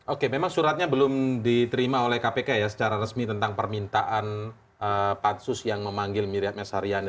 oke memang suratnya belum diterima oleh kpk ya secara resmi tentang permintaan patsus yang memanggil miriam s haryani